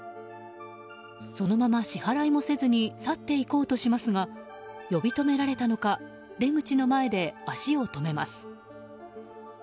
そのまま支払いもせずに去っていこうとしますが呼び止められたのか出口の前で足を止めます。